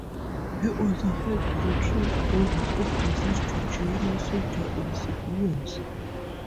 He also helped retrieve bodies of deceased Georgian soldiers and civilians.